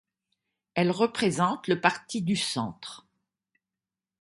Elle représente le Parti du centre.